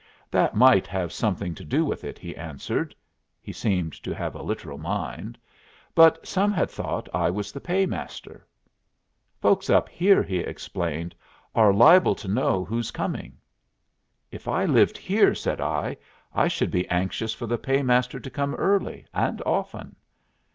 That might have something to do with it, he answered (he seemed to have a literal mind), but some had thought I was the paymaster. "Folks up here," he explained, "are liable to know who's coming." "If I lived here," said I, "I should be anxious for the paymaster to come early and often."